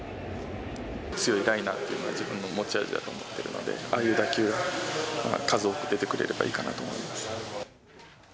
強いライナーっていうのが自分の持ち味だと思っているので、ああいう打球が数多く出てくれればいいかなと思います。